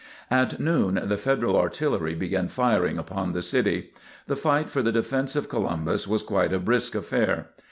At noon the Federal artillery began firing upon the city. The fight for the defence of Columbus was quite a brisk affair.